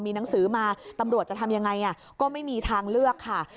หนังสือมาตำรวจจะทำยังไงก็ไม่มีทางเลือกค่ะ